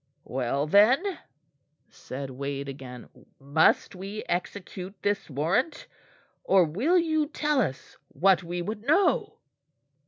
"Well, then," said Wade again, "must we execute this warrant, or will you tell us what we would know?"